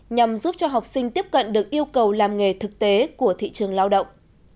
nhằm giúp cho học sinh tiếp cận được yêu cầu làm nghề thực tế của thị trường lao động